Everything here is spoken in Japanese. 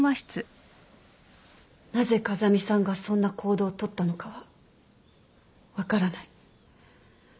なぜ風見さんがそんな行動を取ったのかは分からない。